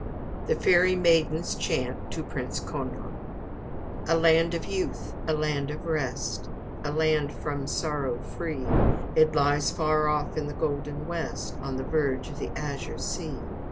THE FAIRY MAIDEN'S CHANT TO PRINCE CONNLA. I. A land of youth, a land of rest, A land from sorrow free; It lies far off in the golden west, On the verge of the azure sea.